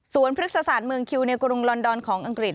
พฤกษศาสตร์เมืองคิวในกรุงลอนดอนของอังกฤษ